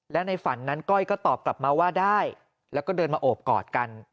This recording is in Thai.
และในฝันนั้นก้อยก็ตอบกลับมาว่าได้แล้วก็เดินมาโอบกอดกัน